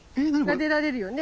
なでられるよね？